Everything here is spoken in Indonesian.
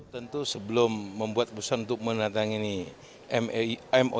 tentu sebelum membuat keputusan untuk menerima mou